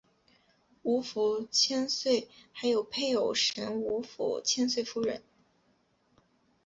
吴府千岁还有配偶神吴府千岁夫人。